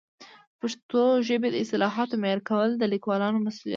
د پښتو ژبې د اصطلاحاتو معیاري کول د لیکوالانو مسؤلیت دی.